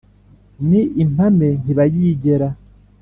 ni impame ntibayigera,